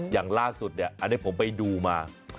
อย่างล่าสุดอะให้ผมไปดูมา